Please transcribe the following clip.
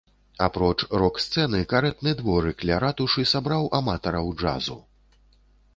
Апроч рок-сцэны карэтны дворык ля ратушы сабраў аматараў джазу.